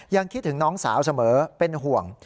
คิดถึงน้องสาวเสมอเป็นห่วง